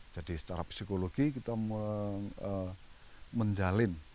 jadi secara psikologi kita menjalin